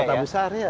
kota besar iya